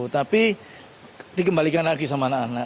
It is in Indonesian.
tapi dikembalikan lagi sama anak anak